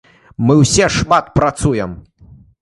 Мы ўсе шмат працуем.